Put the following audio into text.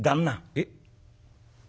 「えっ。